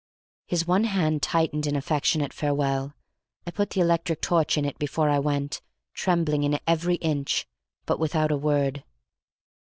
His one hand tightened in affectionate farewell. I put the electric torch in it before I went, trembling in every inch, but without a word.